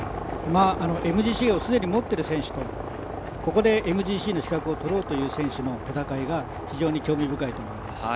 ＭＧＣを既に持っている選手とここでＭＧＣの資格を取ろうとする選手の戦いが非常に興味深いと思います。